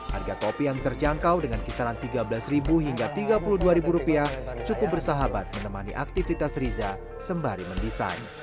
harga kopi yang terjangkau dengan kisaran tiga belas tiga puluh dua rupiah cukup bersahabat menemani aktivitas riza sembari mendesain